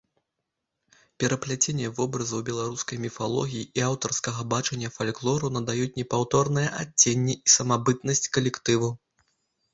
Перапляценне вобразаў беларускай міфалогіі і аўтарскага бачання фальклору надаюць непаўторнае адценне і самабытнасць калектыву.